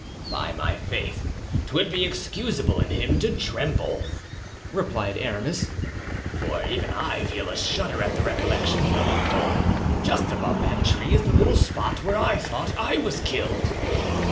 "By my faith, 'twould be excusable in him to tremble," replied Aramis, "for even I feel a shudder at the recollection; hold, just above that tree is the little spot where I thought I was killed."